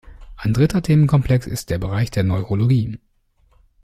Ein dritter Themenkomplex ist der Bereich der Neurologie.